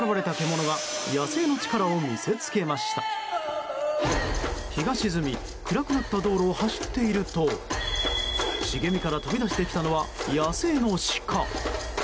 日が沈み暗くなった道路を走っていると茂みから飛び出してきたのは野生のシカ。